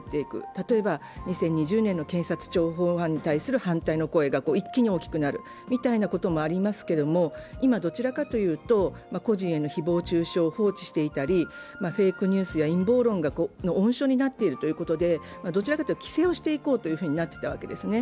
例えば２０２０年の検察庁法案の反対の声が一気に大きくなるみたいなこともありますけど、今、どちらかというと個人への誹謗中傷を放置していたり、フェイクニュースや陰謀論の温床になっているということで、どちらかというと規制をしていこうというふうになっていたわけですね。